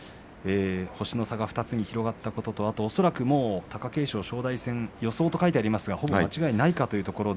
星の差が２つに広がったことと恐らく貴景勝正代戦予想と書いてありますがほぼ間違いないと思います。